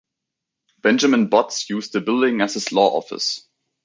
Benjamin Botts used the building as his law office.